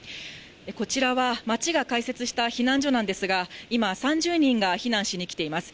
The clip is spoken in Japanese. こちらは町が開設した避難所なんですが、今、３０人が避難しにきています。